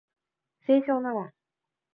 清少納言